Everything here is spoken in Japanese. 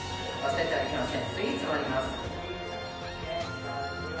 スイーツもあります」